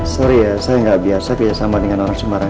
sorry ya saya nggak biasa kerja sama dengan orang sumarang